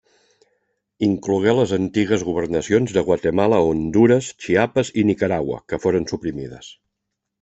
Inclogué les antigues governacions de Guatemala, Hondures, Chiapas i Nicaragua, que foren suprimides.